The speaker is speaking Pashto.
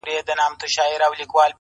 وخت یاري ور سره وکړه لوی مالدار سو.